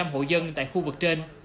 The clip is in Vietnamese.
hộ dân tại khu vực trên